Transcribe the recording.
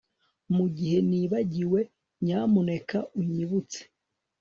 Mugihe nibagiwe nyamuneka unyibutse